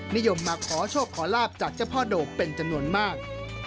นิยมมาขอโชคขอลาบจากเจ้าพ่อโดกเป็นจำนวนมาก